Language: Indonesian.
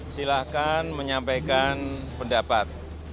silahkan menyampaikan pendapat